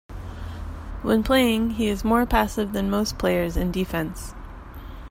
When playing, he is more passive than most players in defense.